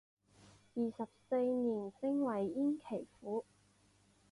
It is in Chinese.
二十四年升为焉耆府。